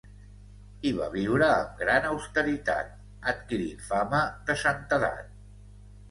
Hi va viure amb gran austeritat, adquirint fama de santedat.